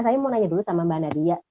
saya mau nanya dulu sama mbak nadia